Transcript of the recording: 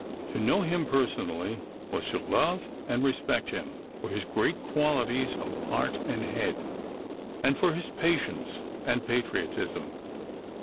To know him personally was to love and respect him for his great qualities of heart and head, and for his patience and patriotism.